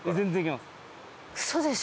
嘘でしょ。